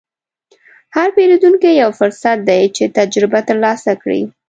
هر پیرودونکی یو فرصت دی چې تجربه ترلاسه کړې.